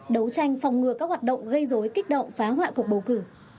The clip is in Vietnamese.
đấu tranh phòng ngừa các hoạt động gây dối kích động phá hoại cuộc bầu cử